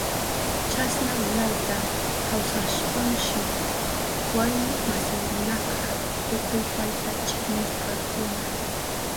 Chasna unayta kawsashpanshi warmi masinkunaka tukuy payta chiknirkakuna.